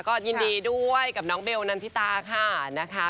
ก็ยินดีด้วยกับน้องเบลนันทิตาค่ะนะคะ